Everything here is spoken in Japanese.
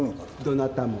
どなたも？